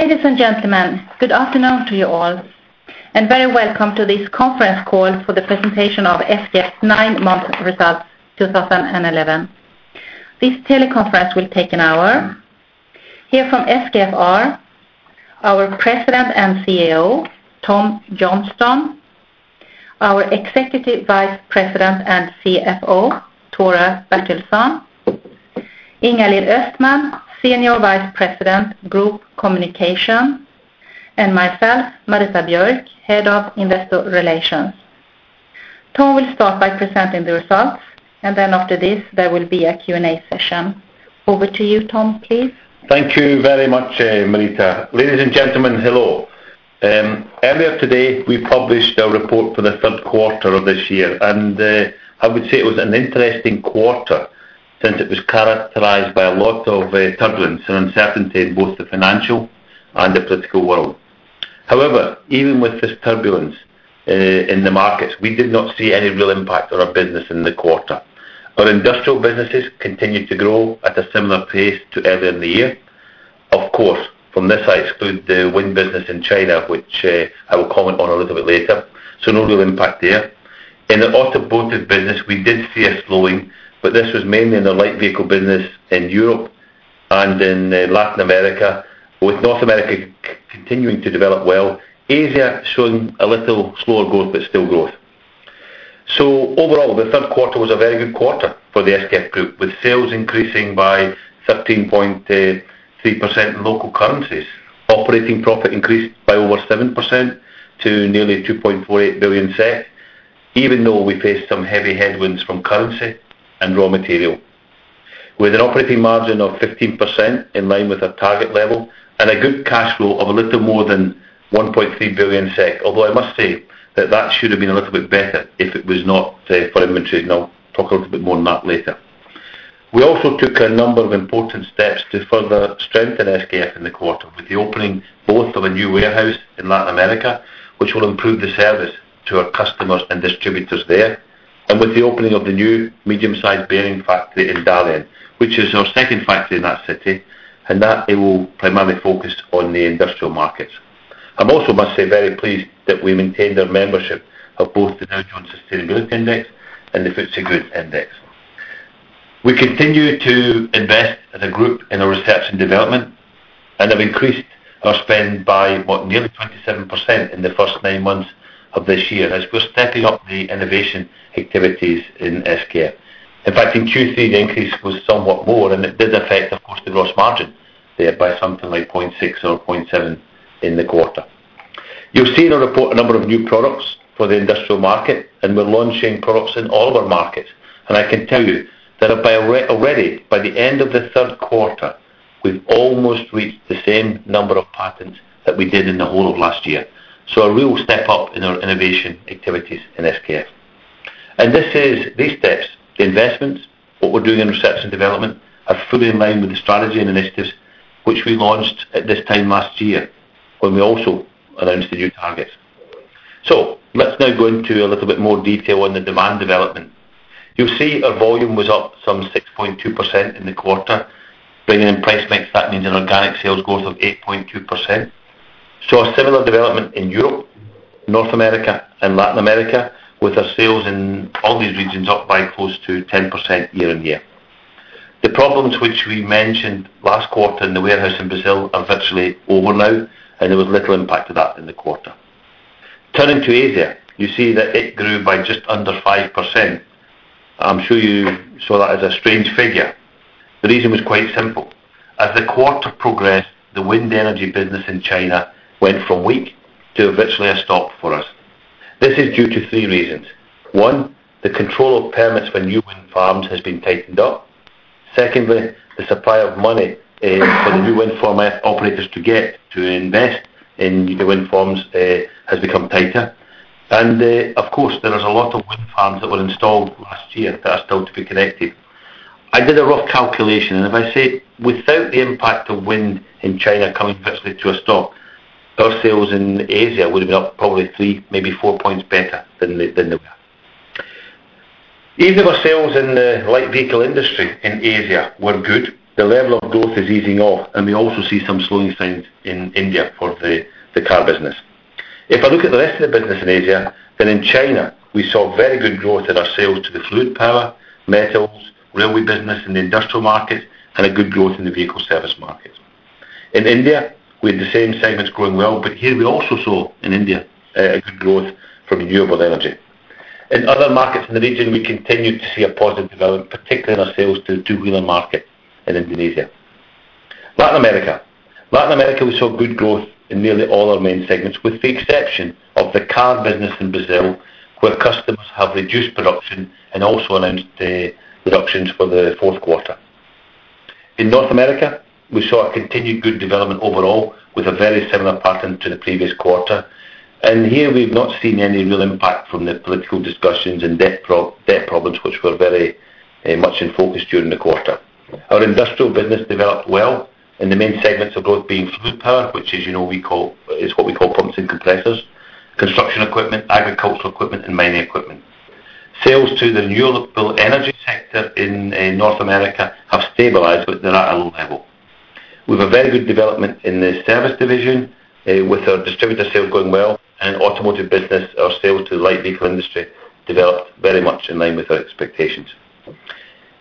Ladies and gentlemen, good afternoon to you all, and very welcome to this conference call for the presentation of SKF's nine-month results, 2011. This teleconference will take an hour. Here from SKF are our President and CEO, Tom Johnstone, our Executive Vice President and CFO, Tore Bertilsson, Ingalill Östman, Senior Vice President, Group Communications, and myself, Marita Björk, Head of Investor Relations. Tom will start by presenting the results, and then after this, there will be a Q&A session. Over to you, Tom, please. Thank you very much, Marita. Ladies and gentlemen, hello. Earlier today, we published our report for the third quarter of this year, and, I would say it was an interesting quarter, since it was characterized by a lot of, turbulence and uncertainty in both the financial and the political world. However, even with this turbulence, in the markets, we did not see any real impact on our business in the quarter. Our industrial businesses continued to grow at a similar pace to earlier in the year. Of course, from this, I exclude the wind business in China, which, I will comment on a little bit later, so no real impact there. In the automotive business, we did see a slowing, but this was mainly in the light vehicle business in Europe and in Latin America, with North America continuing to develop well, Asia showing a little slower growth, but still growth. So overall, the third quarter was a very good quarter for the SKF Group, with sales increasing by 13.3% in local currencies. Operating profit increased by over 7% to nearly 2.48 billion, even though we faced some heavy headwinds from currency and raw material. With an operating margin of 15% in line with our target level and a good cash flow of a little more than 1.3 billion SEK, although I must say that that should have been a little bit better if it was not for inventory, and I'll talk a little bit more on that later. We also took a number of important steps to further strengthen SKF in the quarter, with the opening both of a new warehouse in Latin America, which will improve the service to our customers and distributors there, and with the opening of the new medium-sized bearing factory in Dalian, which is our second factory in that city, and that it will primarily focus on the industrial markets. I'm also, must say, very pleased that we maintained our membership of both the Dow Jones Sustainability Index and the FTSE4Good Index. We continue to invest as a group in our research and development and have increased our spend by, what, nearly 27% in the first nine months of this year, as we're stepping up the innovation activities in SKF. In fact, in Q3, the increase was somewhat more, and it did affect the cost and gross margin there by something like 0.6 or 0.7 in the quarter. You'll see in our report a number of new products for the industrial market, and we're launching products in all of our markets. And I can tell you that by already, by the end of the third quarter, we've almost reached the same number of patents that we did in the whole of last year. So a real step up in our innovation activities in SKF. This is, these steps, the investments, what we're doing in research and development, are fully in line with the strategy and initiatives which we launched at this time last year, when we also announced the new targets. Let's now go into a little bit more detail on the demand development. You'll see our volume was up some 6.2% in the quarter. Bringing in price mix, that means an organic sales growth of 8.2%. Saw a similar development in Europe, North America, and Latin America, with our sales in all these regions up by close to 10% year-on-year. The problems which we mentioned last quarter in the warehouse in Brazil are virtually over now, and there was little impact of that in the quarter. Turning to Asia, you see that it grew by just under 5%. I'm sure you saw that as a strange figure. The reason was quite simple. As the quarter progressed, the wind energy business in China went from weak to virtually a stop for us. This is due to three reasons. One, the control of permits for new wind farms has been tightened up. Secondly, the supply of money, for the new wind farm operators to get to invest in new wind farms, has become tighter. And, of course, there was a lot of wind farms that were installed last year that are still to be connected. I did a rough calculation, and if I say, without the impact of wind in China coming virtually to a stop, our sales in Asia would have been up probably three, maybe four points better than the, than they were. Even our sales in the light vehicle industry in Asia were good. The level of growth is easing off, and we also see some slowing signs in India for the car business. If I look at the rest of the business in Asia, then in China, we saw very good growth in our sales to the fluid power, metals, railway business, and the industrial market, and a good growth in the vehicle service market. In India, we had the same segments growing well, but here we also saw in India, a good growth from renewable energy. In other markets in the region, we continued to see a positive development, particularly in our sales to the two-wheeler market in Indonesia. Latin America, we saw good growth in nearly all our main segments, with the exception of the car business in Brazil, where customers have reduced production and also announced, reductions for the fourth quarter. In North America, we saw a continued good development overall, with a very similar pattern to the previous quarter. And here, we've not seen any real impact from the political discussions and debt problems, which were very much in focus during the quarter. Our industrial business developed well, and the main segments of growth being fluid power, which is, you know, we call, is what we call pumps and compressors, construction equipment, agricultural equipment, and mining equipment. Sales to the renewable energy sector in North America have stabilized, but they're at a low level. We've a very good development in the Service Division with our distributor sales going well, and automotive business, our sales to the light vehicle industry developed very much in line with our expectations.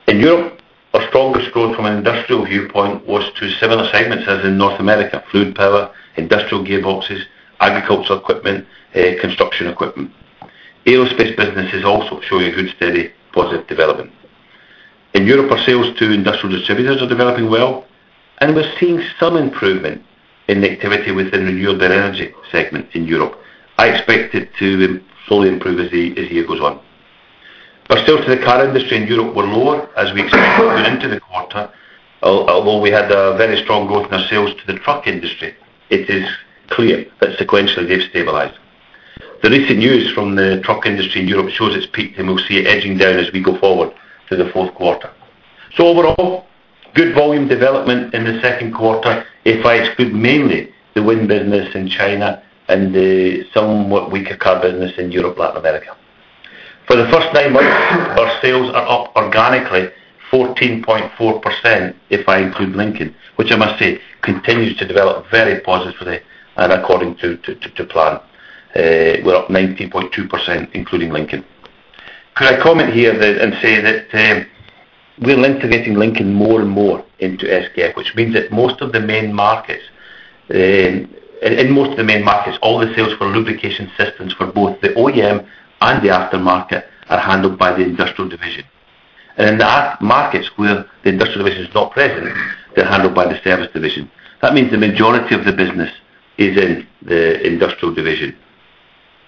In Europe, our strongest growth from an industrial viewpoint was to similar segments as in North America: fluid power, industrial gearboxes, agriculture equipment, construction equipment. Aerospace business is also showing a good, steady, positive development. In Europe, our sales to industrial distributors are developing well, and we're seeing some improvement in the activity within the renewable energy segment in Europe. I expect it to slowly improve as the year goes on. But sales to the car industry in Europe were lower, as we expected going into the quarter. While we had a very strong growth in our sales to the truck industry, it is clear that sequentially, they've stabilized. The recent news from the truck industry in Europe shows its peak, and we'll see it edging down as we go forward to the fourth quarter. So overall, good volume development in the second quarter if I exclude mainly the wind business in China and the somewhat weaker car business in Europe, Latin America. For the first nine months, our sales are up organically 14.4%, if I include Lincoln, which I must say, continues to develop very positively and according to plan. We're up 19.2%, including Lincoln. Could I comment here that and say that we're integrating Lincoln more and more into SKF, which means that in most of the main markets, all the sales for lubrication systems, for both the OEM and the aftermarket, are handled by the Industrial Division. And in the other markets where the Industrial Division is not present, they're handled by the Service Division. That means the majority of the business is in the Industrial Division.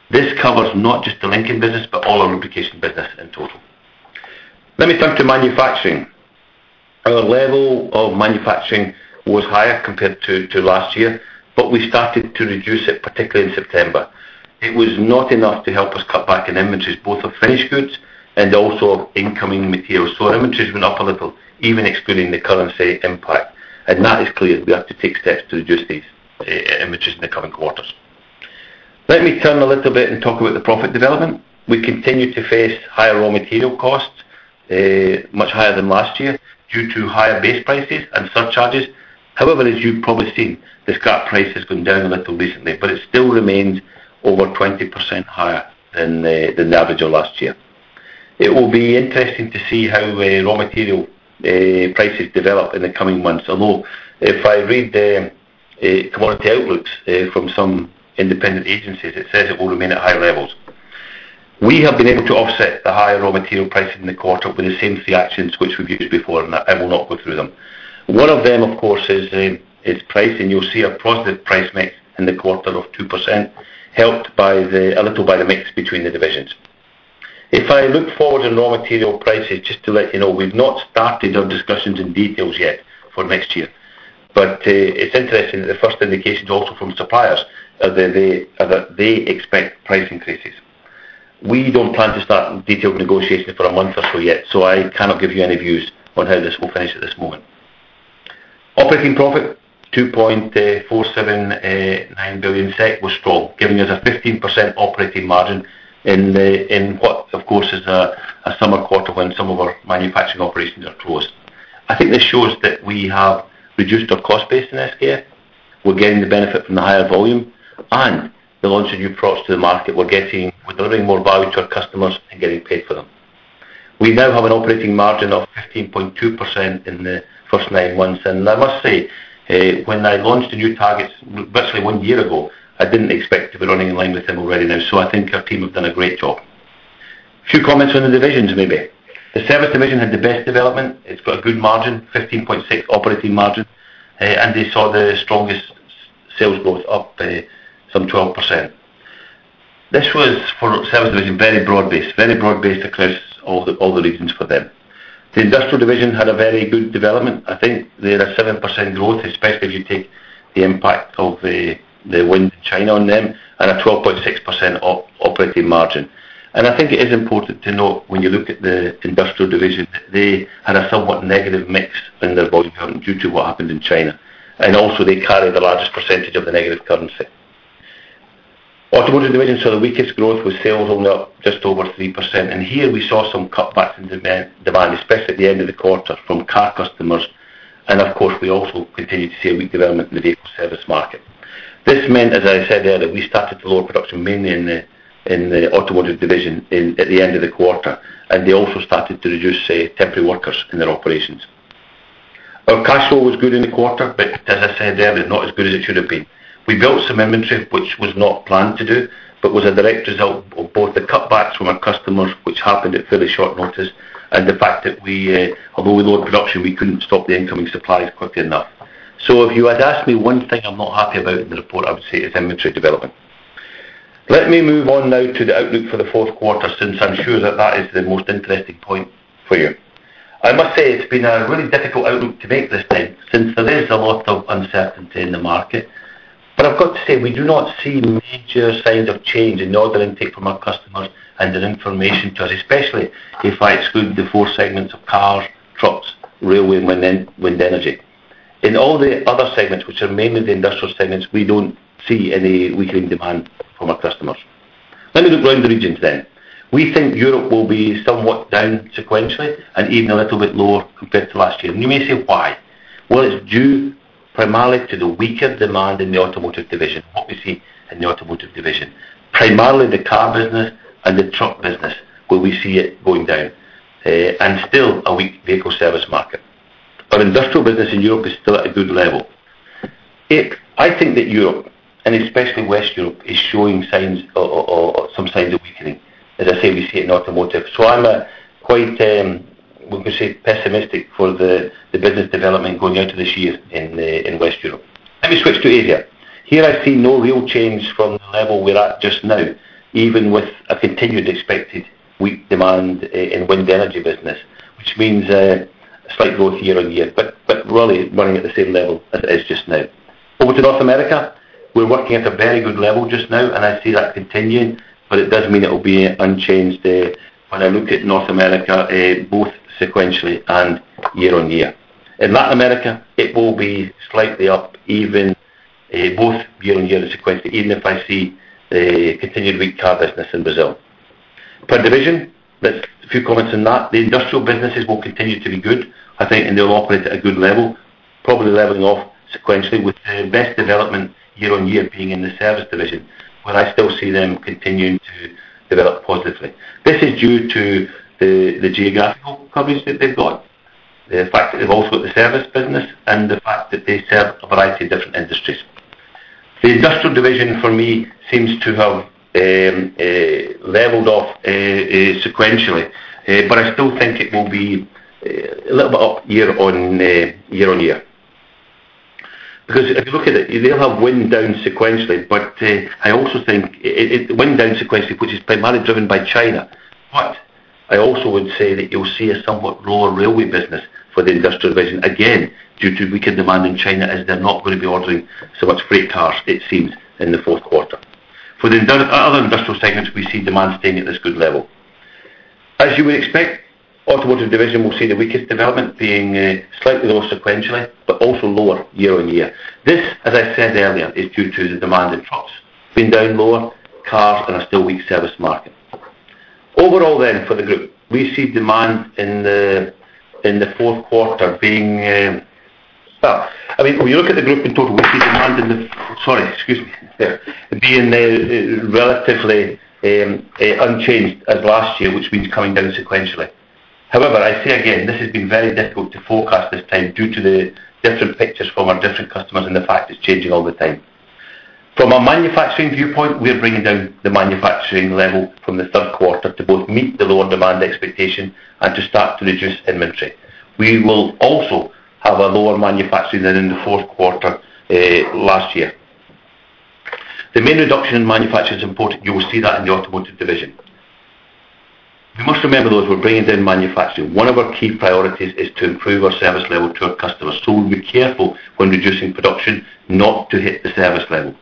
This covers not just the Lincoln business, but all our lubrication business in total. Let me turn to manufacturing. Our level of manufacturing was higher compared to last year, but we started to reduce it, particularly in September. It was not enough to help us cut back in inventories, both of finished goods and also of incoming materials. So our inventories went up a little, even excluding the currency impact, and that is clear we have to take steps to reduce these inventories in the coming quarters. Let me turn a little bit and talk about the profit development. We continue to face higher raw material costs, much higher than last year due to higher base prices and surcharges. However, as you've probably seen, the scrap price has gone down a little recently, but it still remains over 20% higher than the average of last year. It will be interesting to see how raw material prices develop in the coming months, although if I read the commodity outlook from some independent agencies, it says it will remain at high levels. We have been able to offset the higher raw material prices in the quarter with the same three actions which we've used before, and I will not go through them. One of them, of course, is pricing. You'll see a positive price mix in the quarter of 2%, helped by the... A little by the mix between the divisions. If I look forward on raw material prices, just to let you know, we've not started our discussions in details yet for next year. But, it's interesting that the first indications, also from suppliers, are that they expect price increases. We don't plan to start detailed negotiations for a month or so yet, so I cannot give you any views on how this will finish at this moment. Operating profit, 2.479 billion SEK was strong, giving us a 15% operating margin in what, of course, is a summer quarter when some of our manufacturing operations are closed. I think this shows that we have reduced our cost base in SKF. We're getting the benefit from the higher volume and the launch of new products to the market. We're getting, we're delivering more value to our customers and getting paid for them. We now have an operating margin of 15.2% in the first nine months. And I must say, when I launched the new targets virtually one year ago, I didn't expect to be running in line with them already now, so I think our team have done a great job. A few comments on the divisions, maybe. The Service Division had the best development. It's got a good margin, 15.6 operating margin, and they saw the strongest sales growth, up some 12%. This was, for Service Division, very broad-based, very broad-based across all the, all the regions for them. The Industrial Division had a very good development. I think they had a 7% growth, especially if you take the impact of the wind in China on them, and a 12.6% operating margin. I think it is important to note, when you look at the Industrial Division, that they had a somewhat negative mix in their volume due to what happened in China. And also, they carry the largest percentage of the negative currency. Automotive Division saw the weakest growth, with sales only up just over 3%, and here we saw some cutbacks in demand, especially at the end of the quarter from car customers. And of course, we also continued to see a weak development in the vehicle service market. This meant, as I said earlier, we started to lower production, mainly in the Automotive Division in... At the end of the quarter, and they also started to reduce temporary workers in their operations. Our cash flow was good in the quarter, but as I said earlier, not as good as it should have been. We built some inventory, which was not planned to do, but was a direct result of both the cutbacks from our customers, which happened at fairly short notice, and the fact that we, although we lowered production, we couldn't stop the incoming supplies quickly enough. So if you had asked me one thing I'm not happy about in the report, I would say it's inventory development. Let me move on now to the outlook for the fourth quarter, since I'm sure that that is the most interesting point for you. I must say, it's been a really difficult outlook to make this time, since there is a lot of uncertainty in the market. But I've got to say, we do not see major signs of change in the order intake from our customers and their information to us, especially if I exclude the four segments of cars, trucks, railway, and wind, wind energy. In all the other segments, which are mainly the industrial segments, we don't see any weakening demand from our customers. Let me look around the regions then. We think Europe will be somewhat down sequentially, and even a little bit lower compared to last year. And you may say, "Why?" Well, it's due primarily to the weaker demand in the Automotive Division. What we see in the Automotive Division, primarily the car business and the truck business, where we see it going down, and still a weak vehicle service market. Our industrial business in Europe is still at a good level. I think that Europe, and especially Western Europe, is showing signs or some signs of weakening. As I say, we see it in automotive. So I'm quite, let me say, pessimistic for the business development going out to this year in Western Europe. Let me switch to Asia. Here I see no real change from the level we're at just now, even with a continued expected weak demand in wind energy business, which means, a slight growth year on year, but really running at the same level as it is just now. Over to North America, we're working at a very good level just now, and I see that continuing, but it does mean it will be unchanged, when I look at North America, both sequentially and year on year. In Latin America, it will be slightly up even, both year on year and sequentially, even if I see a continued weak car business in Brazil. Per division, there's a few comments on that. The industrial businesses will continue to be good, I think, and they'll operate at a good level, probably leveling off sequentially, with the best development year on year being in the Service Division, where I still see them continuing to develop positively. This is due to the geographical coverage that they've got, the fact that they've also got the service business and the fact that they serve a variety of different industries. The Industrial Division, for me, seems to have leveled off sequentially, but I still think it will be a little bit up year-on-year. Because if you look at it, they'll have wind down sequentially, but I also think it wind down sequentially, which is primarily driven by China. But I also would say that you'll see a somewhat lower railway business for the Industrial Division, again, due to weaker demand in China, as they're not gonna be ordering so much freight cars, it seems, in the fourth quarter. For other industrial segments, we see demand staying at this good level. As you would expect, Automotive Division will see the weakest development being slightly lower sequentially, but also lower year-on-year. This, as I said earlier, is due to the demand in trucks being down lower, cars, and a still weak service market. Overall then, for the group, we see demand in the fourth quarter being. Well, I mean, when you look at the group in total, we see demand being relatively unchanged as last year, which means coming down sequentially. However, I say again, this has been very difficult to forecast this time due to the different pictures from our different customers and the fact it's changing all the time. From a manufacturing viewpoint, we're bringing down the manufacturing level from the third quarter to both meet the lower demand expectation and to start to reduce inventory. We will also have a lower manufacturing than in the fourth quarter last year. The main reduction in manufacturing is important. You will see that in the Automotive Division. You must remember, though, as we're bringing down manufacturing, one of our key priorities is to improve our service level to our customers. So we'll be careful when reducing production, not to hit the service level.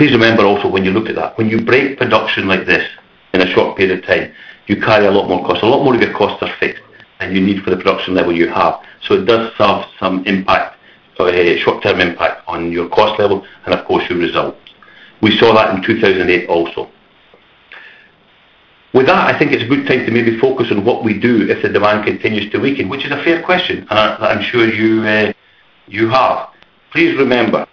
Please remember also, when you look at that, when you break production like this in a short period of time, you carry a lot more cost. A lot more of your costs are fixed, and you need for the production level you have. So it does have some impact, short-term impact on your cost level and, of course, your results. We saw that in 2008 also. With that, I think it's a good time to maybe focus on what we do if the demand continues to weaken, which is a fair question, and I'm sure you, you have. Please remember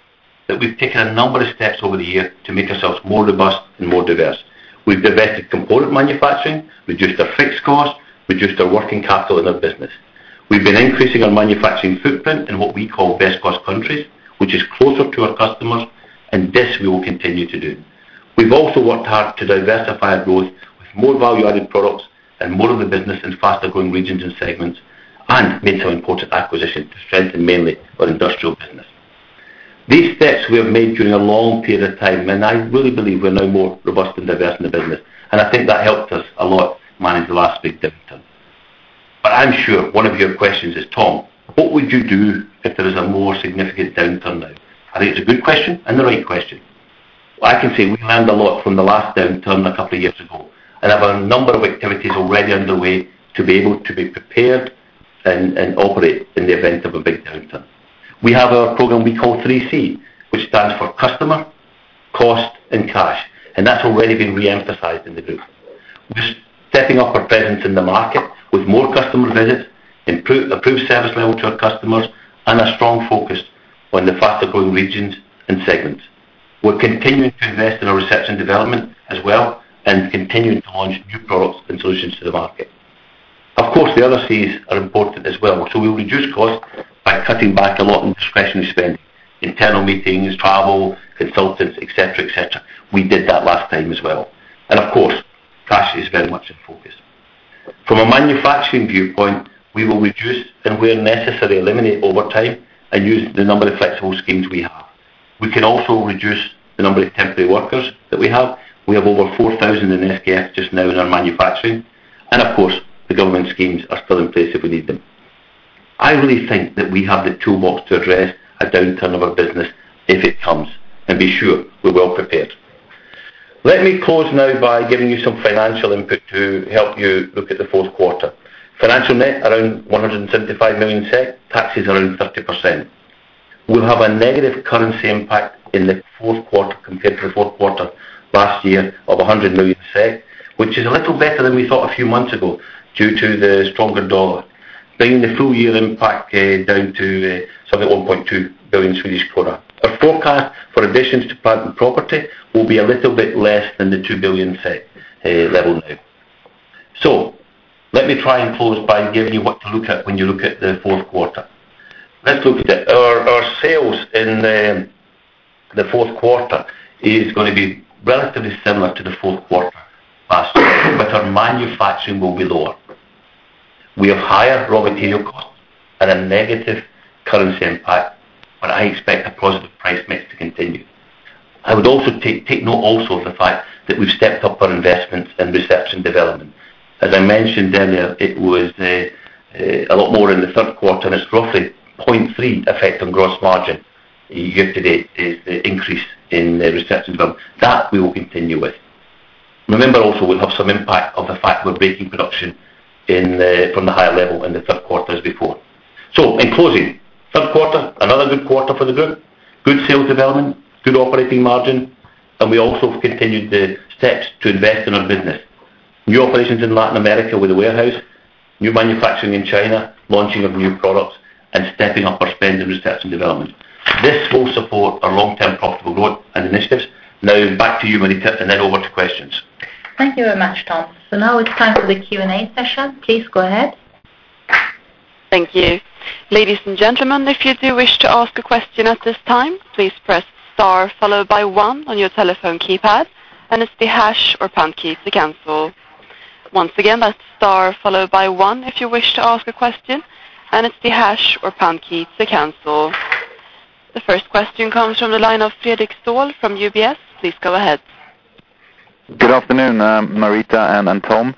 that we've taken a number of steps over the year to make ourselves more robust and more diverse. We've divested component manufacturing, reduced our fixed cost, reduced our working capital in our business. We've been increasing our manufacturing footprint in what we call best cost countries, which is closer to our customers, and this we will continue to do. We've also worked hard to diversify our growth with more value-added products and more of the business in faster-growing regions and segments, and made some important acquisitions to strengthen mainly our industrial business. These steps were made during a long period of time, and I really believe we're now more robust and diverse in the business, and I think that helped us a lot manage the last big downturn. But I'm sure one of your questions is, Tom, what would you do if there is a more significant downturn now? I think it's a good question and the right question. I can say we learned a lot from the last downturn a couple of years ago, and have a number of activities already underway to be able to be prepared and operate in the event of a big downturn. We have a program we call 3C, which stands for customer, cost, and cash, and that's already been re-emphasized in the group. We're stepping up our presence in the market with more customer visits, improved service level to our customers, and a strong focus on the faster-growing regions and segments. We're continuing to invest in our research and development as well, and continuing to launch new products and solutions to the market. Of course, the other Cs are important as well. So we'll reduce cost by cutting back a lot on discretionary spending, internal meetings, travel, consultants, et cetera, et cetera. We did that last time as well, and of course, cash is very much in focus. From a manufacturing viewpoint, we will reduce, and where necessary, eliminate overtime and use the number of flexible schemes we have. We can also reduce the number of temporary workers that we have. We have over 4,000 in SKF just now in our manufacturing, and of course, the government schemes are still in place if we need them. I really think that we have the toolbox to address a downturn of our business if it comes, and be sure we're well prepared. Let me close now by giving you some financial input to help you look at the fourth quarter. Financial net, around 175 million SEK. Taxes, around 30%. We'll have a negative currency impact in the fourth quarter compared to the fourth quarter last year of 100 million, which is a little better than we thought a few months ago, due to the stronger dollar, bringing the full year impact down to 1.2 billion. Our forecast for additions to plant and property will be a little bit less than the 2 billion level now. So let me try and close by giving you what to look at when you look at the fourth quarter. Let's look at it. Our sales in the fourth quarter is gonna be relatively similar to the fourth quarter last year, but our manufacturing will be lower. We have higher raw material costs and a negative currency impact, but I expect a positive price mix to continue. I would also take note also of the fact that we've stepped up our investments in research and development. As I mentioned earlier, it was a lot more in the third quarter, and it's roughly 0.3 effect on gross margin year to date, is the increase in research and development. That we will continue with. Remember, also, we'll have some impact of the fact we're braking production from the higher level in the third quarter as before. So in closing, third quarter, another good quarter for the group. Good sales development, good operating margin, and we also continued the steps to invest in our business. New operations in Latin America with a warehouse, new manufacturing in China, launching of new products, and stepping up our spend in research and development. This will support our long-term profitable growth and initiatives. Now back to you, Marita, and then over to questions. Thank you very much, Tom. Now it's time for the Q&A session. Please go ahead. Thank you. Ladies and gentlemen, if you do wish to ask a question at this time, please press star followed by one on your telephone keypad, and it's the hash or pound key to cancel. Once again, that's star followed by one if you wish to ask a question, and it's the hash or pound key to cancel. The first question comes from the line of Fredric Stahl from UBS. Please go ahead. Good afternoon, Marita and Tom.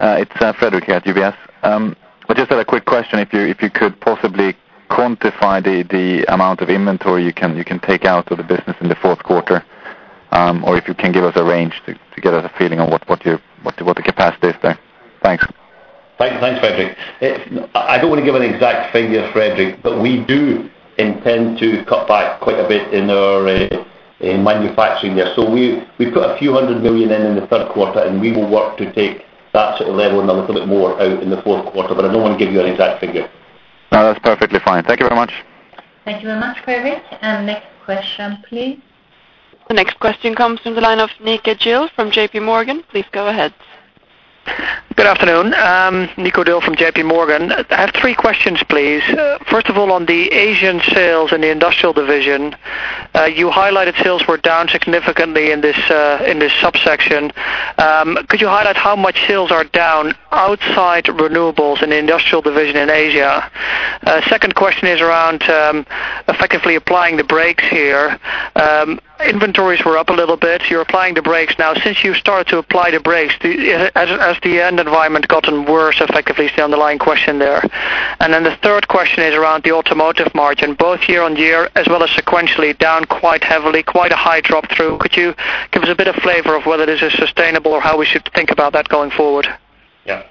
It's Fredric here at UBS. I just had a quick question, if you could possibly quantify the amount of inventory you can take out of the business in the fourth quarter, or if you can give us a range to get us a feeling on what the capacity is there. Thanks. Thanks, Fredric. I don't want to give an exact figure, Fredric, but we do intend to cut back quite a bit in our manufacturing there. So we put a few hundred million in the third quarter, and we will work to take that sort of level and a little bit more out in the fourth quarter, but I don't want to give you an exact figure. No, that's perfectly fine. Thank you very much. Thank you very much, Fredric. Next question, please. The next question comes from the line of Nico Dill from JPMorgan. Please go ahead. Good afternoon. Nico Dill from JPMorgan. I have three questions, please. First of all, on the Asian sales in the Industrial Division, you highlighted sales were down significantly in this, in this subsection. Could you highlight how much sales are down outside renewables in the Industrial Division in Asia? Second question is around, effectively applying the brakes here. Inventories were up a little bit. You're applying the brakes now. Since you've started to apply the brakes, as the end environment gotten worse, effectively, is the underlying question there. The third question is around the automotive margin, both year on year as well as sequentially, down quite heavily, quite a high drop through. Could you give us a bit of flavor of whether this is sustainable or how we should think about that going forward? Yeah.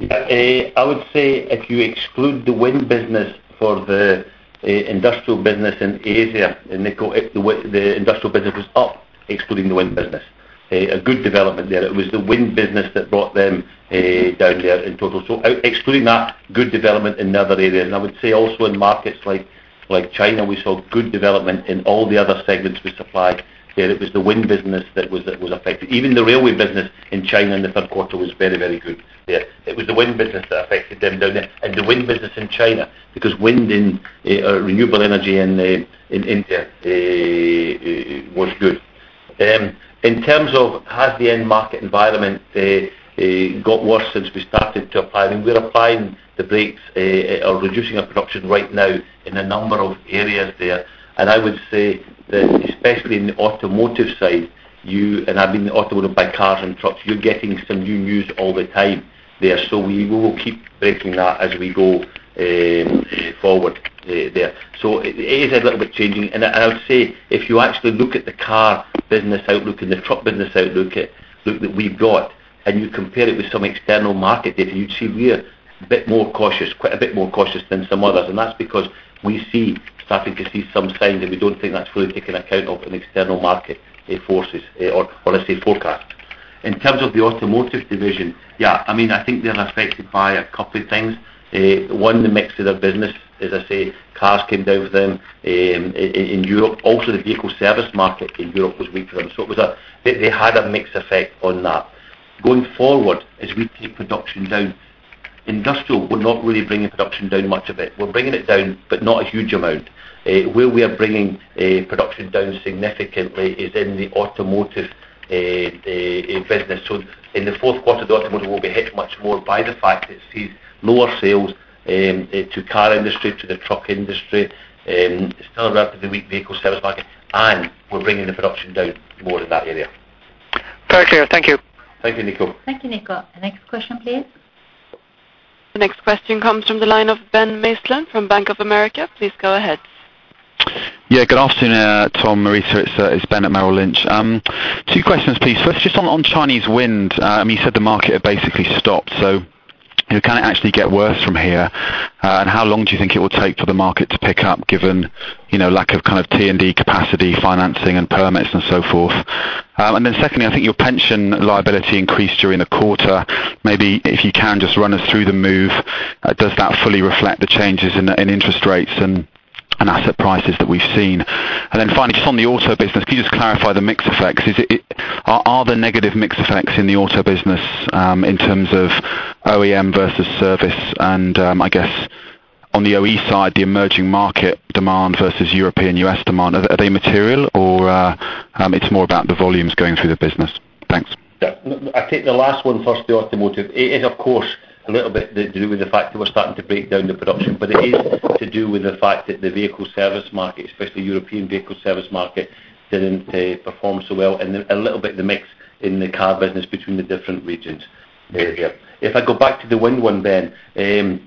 I would say if you exclude the wind business for the industrial business in Asia, and the industrial business was up, excluding the wind business. A good development there. It was the wind business that brought them down there in total. So excluding that, good development in the other areas. And I would say also in markets like China, we saw good development in all the other segments we supplied there. It was the wind business that was affected. Even the railway business in China in the third quarter was very, very good there. It was the wind business that affected them down there, and the wind business in China, because wind in renewable energy in India was good. In terms of has the end market environment got worse since we started to apply, I mean, we're applying the brakes or reducing our production right now in a number of areas there. And I would say that, especially in the automotive side, you—and I mean the automotive by cars and trucks, you're getting some new news all the time there, so we will keep breaking that as we go forward there. So it is a little bit changing. And I, and I would say if you actually look at the car business outlook and the truck business outlook that we've got, and you compare it with some external market data, you'd see we're a bit more cautious, quite a bit more cautious than some others. That's because we see, starting to see some signs, that we don't think that's really taken account of in external market forces, or let's say forecasts. In terms of the Automotive Division, yeah, I mean, I think they're affected by a couple of things. One, the mix of their business, as I say, cars came down with them in Europe. Also, the vehicle service market in Europe was weak for them. So it was a... They had a mix effect on that. Going forward, as we keep production down, industrial, we're not really bringing production down much a bit. We're bringing it down, but not a huge amount. Where we are bringing production down significantly is in the automotive business. So in the fourth quarter, the automotive will be hit much more by the fact that it sees lower sales to the car industry, to the truck industry, similar to the weak vehicle service market, and we're bringing the production down more in that area. Very clear. Thank you. Thank you, Nico. Thank you, Nico. The next question, please.... The next question comes from the line of Ben Uglow from Bank of America. Please go ahead. Yeah, good afternoon, Tom, Marita, it's Ben at Merrill Lynch. Two questions, please. First, just on Chinese wind. I mean, you said the market had basically stopped, so can it actually get worse from here? And how long do you think it will take for the market to pick up, given, you know, lack of kind of T&D capacity, financing, and permits and so forth? And then secondly, I think your pension liability increased during the quarter. Maybe if you can, just run us through the move. Does that fully reflect the changes in interest rates and asset prices that we've seen? And then finally, just on the auto business, can you just clarify the mix effects? Are there negative mix effects in the auto business, in terms of OEM versus service? I guess on the OE side, the emerging market demand versus European U.S. demand, are they material or it's more about the volumes going through the business? Thanks. Yeah. I'll take the last one first, the automotive. It is, of course, a little bit to do with the fact that we're starting to break down the production, but it is to do with the fact that the vehicle service market, especially European vehicle service market, didn't perform so well, and then a little bit the mix in the car business between the different regions. There we go. If I go back to the wind one, Ben, when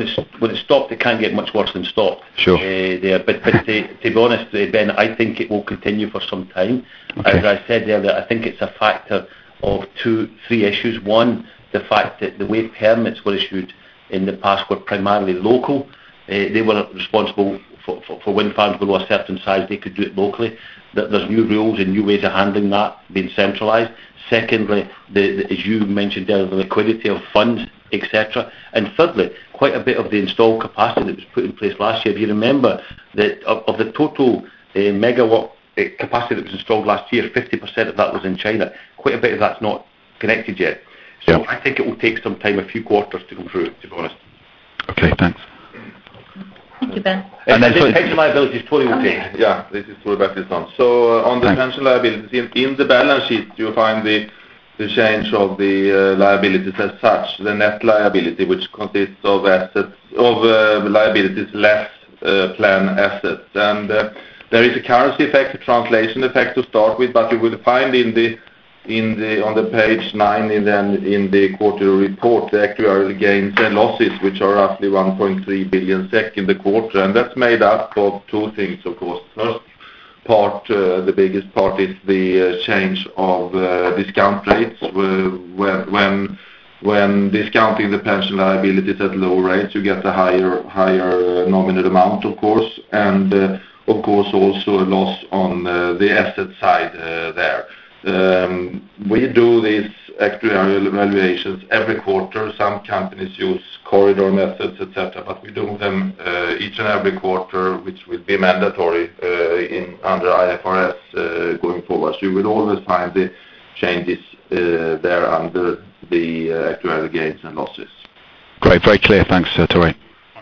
it's stopped, it can't get much worse than stopped. Sure. Yeah, but to be honest, Ben, I think it will continue for some time. Okay. As I said earlier, I think it's a factor of two... three issues. One, the fact that the way permits were issued in the past were primarily local. They were not responsible for wind farms below a certain size. They could do it locally. That there's new rules and new ways of handling that being centralized. Secondly, the, as you mentioned, the liquidity of funds, et cetera. And thirdly, quite a bit of the installed capacity that was put in place last year. If you remember, that of the total megawatt capacity that was installed last year, 50% of that was in China. Quite a bit of that's not connected yet. Yeah. I think it will take some time, a few quarters, to go through, to be honest. Okay, thanks. Thank you, Ben. The pension liability is totally okay. All right. Yeah, this is Tore Bertilsson. Thanks. So on the pension liability, in the balance sheet, you'll find the change of the liabilities as such, the net liability, which consists of assets, of liabilities, less plan assets. And there is a currency effect, a translation effect, to start with, but you will find on page nine in the quarterly report, the actuarial gains and losses, which are roughly 1.3 billion SEK in the quarter, and that's made up of two things, of course. First part, the biggest part is the change of discount rates. When discounting the pension liabilities at low rates, you get a higher nominal amount, of course, and, of course, also a loss on the asset side there. We do these actuarial valuations every quarter. Some companies use corridor methods, et cetera, but we do them each and every quarter, which will be mandatory under IFRS going forward. So you will always find the changes there under the actuarial gains and losses. Great. Very clear. Thanks, Tore.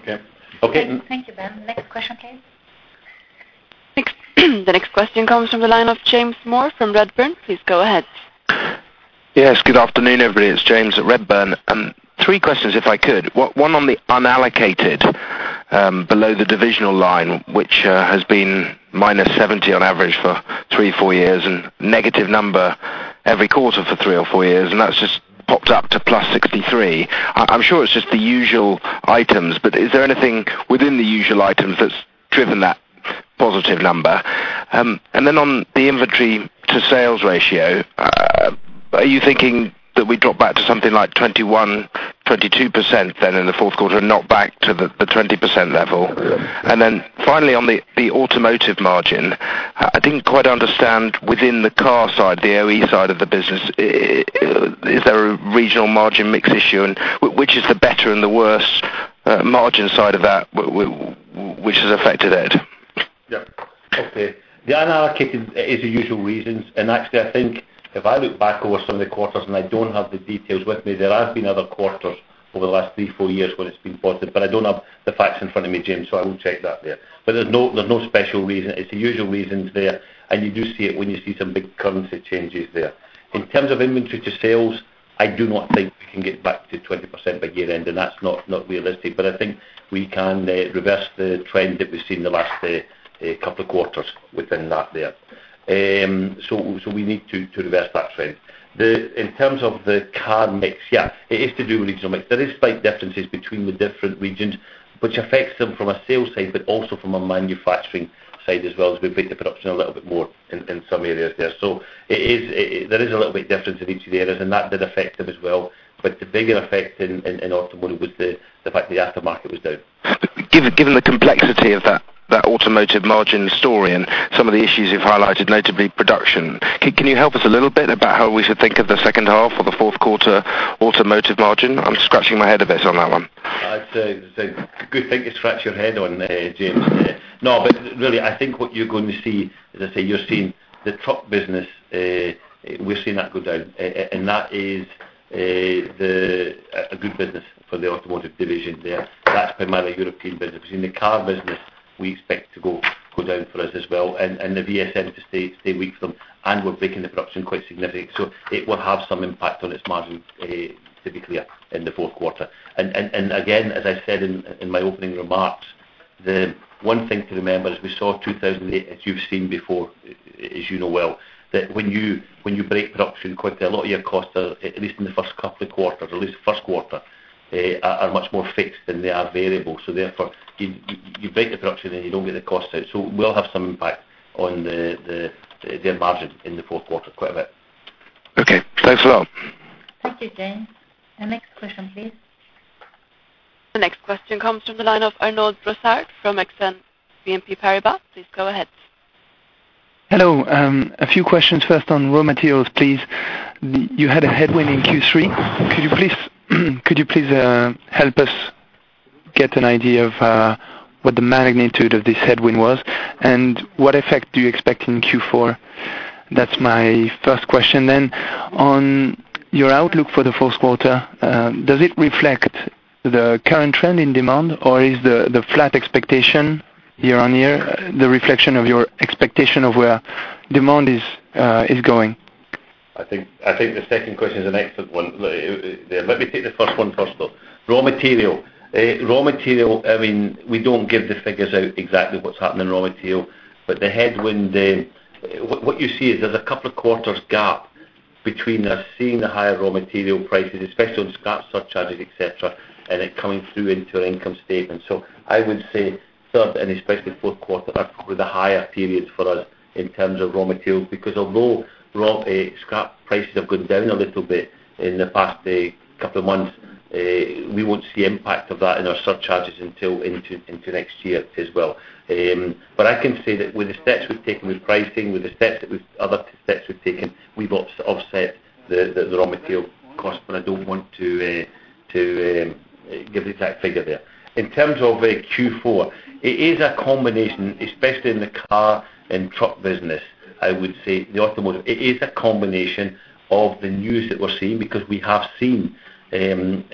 Okay. Okay. Thank you, Ben. Next question, please. The next question comes from the line of James Moore from Redburn. Please go ahead. Yes, good afternoon, everybody. It's James at Redburn. Three questions, if I could. One on the unallocated below the divisional line, which has been -70 on average for three to four years, and negative number every quarter for three to four years, and that's just popped up to +63. I'm sure it's just the usual items, but is there anything within the usual items that's driven that positive number? And then on the inventory to sales ratio, are you thinking that we drop back to something like 21%-22% then in the fourth quarter, not back to the 20% level? And then finally, on the automotive margin, I didn't quite understand within the car side, the OE side of the business, is there a regional margin mix issue, and which is the better and the worse margin side of that, which has affected it? Yeah. Okay. The unallocated is the usual reasons, and actually, I think if I look back over some of the quarters, and I don't have the details with me, there have been other quarters over the last three, four years where it's been positive, but I don't have the facts in front of me, James, so I will check that there. But there's no special reason. It's the usual reasons there, and you do see it when you see some big currency changes there. In terms of inventory to sales, I do not think we can get back to 20% by year-end, and that's not realistic. But I think we can reverse the trend that we've seen in the last couple of quarters within that there. So we need to reverse that trend. The... In terms of the car mix, yeah, it is to do with regional mix. There is slight differences between the different regions, which affects them from a sales side, but also from a manufacturing side as well, as we break the production a little bit more in some areas there. So it is, there is a little bit difference in each of the areas, and that did affect them as well. But the bigger effect in automotive was the fact that the aftermarket was down. Given the complexity of that automotive margin story and some of the issues you've highlighted, notably production, can you help us a little bit about how we should think of the second half or the fourth quarter automotive margin? I'm scratching my head a bit on that one. I'd say it's a good thing to scratch your head on, James. No, but really, I think what you're going to see, as I say, you're seeing the truck business, we're seeing that go down. And that is a good business for the Automotive Division there. That's primarily European business. In the car business, we expect to go down for us as well, and the VSM to stay weak for them, and we're breaking the production quite significant. So it will have some impact on its margin, to be clear, in the fourth quarter. And again, as I said in my opening remarks-... The one thing to remember, as we saw 2008, as you've seen before, as you know well, that when you break production quite a lot of your costs are, at least in the first couple of quarters, or at least the first quarter, are much more fixed than they are variable. So therefore, you break the production, and you don't get the cost out. So we'll have some impact on the margin in the fourth quarter, quite a bit. Okay, thanks a lot. Thank you, James. The next question, please. The next question comes from the line of Arnaud Brossard from Exane BNP Paribas. Please go ahead. Hello. A few questions. First, on raw materials, please. You had a headwind in Q3. Could you please help us get an idea of what the magnitude of this headwind was, and what effect do you expect in Q4? That's my first question. Then, on your outlook for the fourth quarter, does it reflect the current trend in demand, or is the flat expectation year-on-year, the reflection of your expectation of where demand is going? I think, I think the second question is an excellent one. Let me take the first one first, though. Raw material. Raw material, I mean, we don't give the figures out exactly what's happening in raw material, but the headwind, what, what you see is there's a couple of quarters gap between us seeing the higher raw material prices, especially on scrap surcharges, et cetera, and it coming through into our income statement. So I would say third and especially fourth quarter are the higher periods for us in terms of raw materials, because although raw, scrap prices have gone down a little bit in the past, couple of months, we won't see impact of that in our surcharges until into, into next year as well. But I can say that with the steps we've taken with pricing, with the steps that we've other steps we've taken, we've offset the raw material cost, but I don't want to give the exact figure there. In terms of Q4, it is a combination, especially in the car and truck business, I would say the automotive. It is a combination of the news that we're seeing, because we have seen and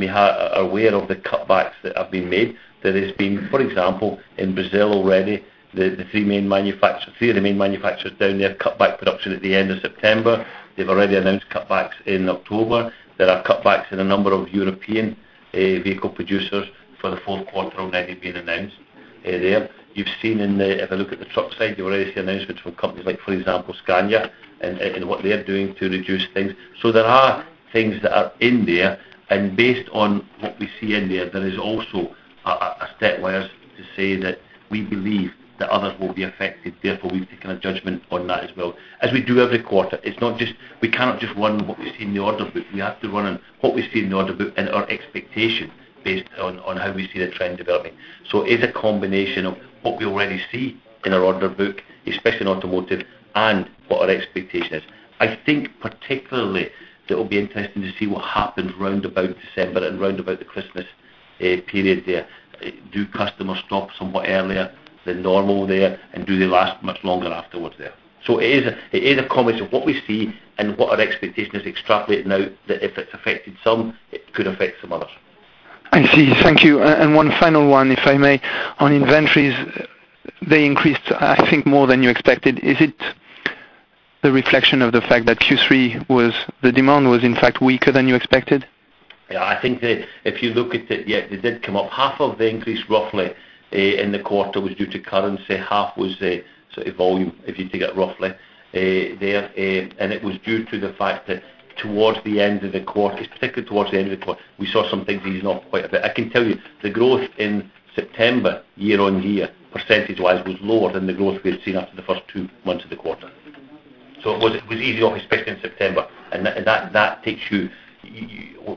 we are aware of the cutbacks that have been made. There has been, for example, in Brazil already, the three main manufacturers, three of the main manufacturers down there cut back production at the end of September. They've already announced cutbacks in October. There are cutbacks in a number of European vehicle producers for the fourth quarter already being announced there. You've seen in the... If I look at the truck side, you already see announcements from companies like, for example, Scania, and what they are doing to reduce things. So there are things that are in there, and based on what we see in there, there is also a step where to say that we believe that others will be affected, therefore, we've taken a judgment on that as well. As we do every quarter, it's not just we cannot just run what we see in the order book. We have to run on what we see in the order book and our expectation based on how we see the trend developing. So it is a combination of what we already see in our order book, especially in automotive, and what our expectation is. I think particularly, that will be interesting to see what happens round about December and round about the Christmas period there. Do customers stop somewhat earlier than normal there, and do they last much longer afterwards there? So it is, it is a combination of what we see and what our expectation is extrapolating out, that if it's affected some, it could affect some others. I see. Thank you. And one final one, if I may. On inventories, they increased, I think, more than you expected. Is it the reflection of the fact that Q3 was, the demand was, in fact, weaker than you expected? Yeah, I think that if you look at it, yeah, it did come up. Half of the increase, roughly, in the quarter, was due to currency. Half was the sort of volume, if you take it roughly, there. And it was due to the fact that towards the end of the quarter, particularly towards the end of the quarter, we saw some things easing off quite a bit. I can tell you, the growth in September, year-on-year, percentage-wise, was lower than the growth we had seen after the first two months of the quarter. So it was, it was easing off, especially in September. And that, that takes you...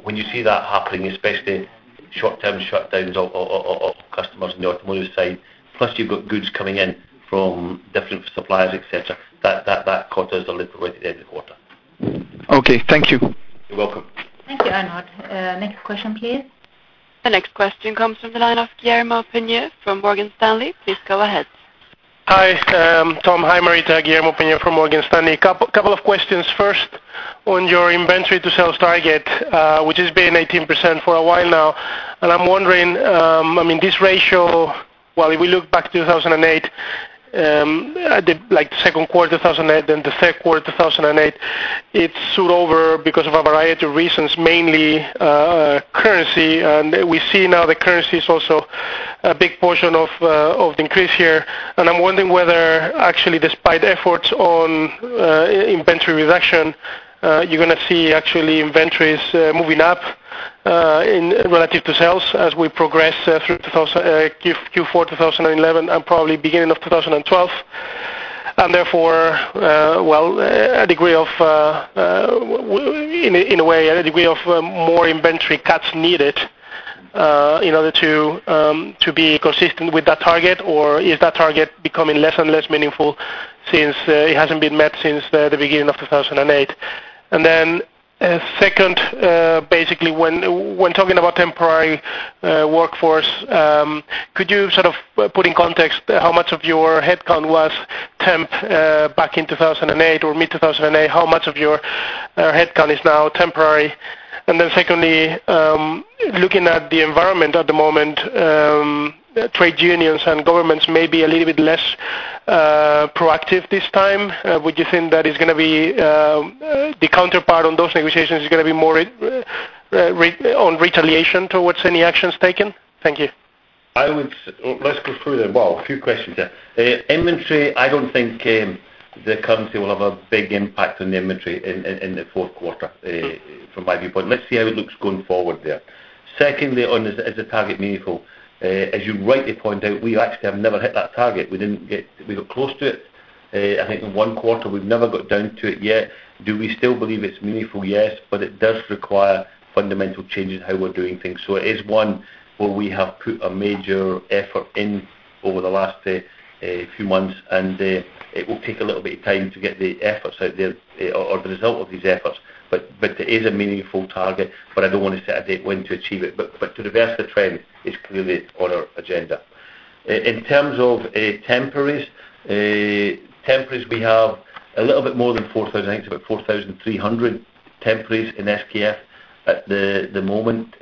When you see that happening, especially short-term shutdowns of customers in the automotive side, plus you've got goods coming in from different suppliers, et cetera, that quarter is delivered by the end of the quarter. Okay, thank you. You're welcome. Thank you, Arnaud. Next question, please. The next question comes from the line of Guillermo Peigneux from Morgan Stanley. Please go ahead. Hi, Tom. Hi, Marita. Guillermo Peigneux from Morgan Stanley. A couple of questions. First, on your inventory to sales target, which has been 18% for a while now. And I'm wondering, I mean, this ratio, well, if we look back to 2008, at the, like, second quarter 2008, then the third quarter 2008, it shot over because of a variety of reasons, mainly, currency. And we see now the currency is also a big portion of of the increase here. And I'm wondering whether, actually, despite efforts on, inventory reduction, you're gonna see actually inventories, moving up, in relative to sales as we progress, through 2010 Q4 to 2011, and probably beginning of 2012. And therefore, well, a degree of, in a way, a degree of more inventory cuts needed, in order to, to be consistent with that target, or is that target becoming less and less meaningful since, it hasn't been met since the, the beginning of 2008? And then, second, basically, when talking about temporary workforce, could you sort of put in context how much of your headcount was temp back in 2008 or mid-2008? How much of your headcount is now temporary? And then secondly, looking at the environment at the moment, trade unions and governments may be a little bit less proactive this time. Would you think that is gonna be the counterpart on those negotiations is gonna be more-... Regarding retaliation towards any actions taken? Thank you. Let's go through them. Well, a few questions there. Inventory, I don't think the currency will have a big impact on the inventory in the fourth quarter, from my viewpoint. Let's see how it looks going forward there. Secondly, is the target meaningful? As you rightly point out, we actually have never hit that target. We didn't get... We got close to it. I think in one quarter, we've never got down to it yet. Do we still believe it's meaningful? Yes, but it does require fundamental changes in how we're doing things. So it is one where we have put a major effort in over the last few months, and it will take a little bit of time to get the efforts out there or the result of these efforts. But it is a meaningful target, but I don't want to set a date when to achieve it. But to reverse the trend is clearly on our agenda. In terms of temporaries, we have a little bit more than 4,000. I think it's about 4,300 temporaries in SKF at the moment.